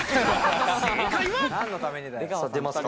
正解は。